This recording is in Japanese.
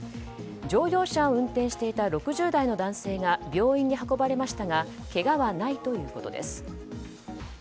乗用車を運転していた６０代の男性が病院に運ばれましたがけがないということです。